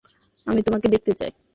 আমি তোমাকে দেখতে চাই।